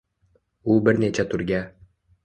U bir necha turga